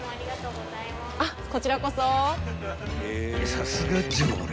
［さすが常連］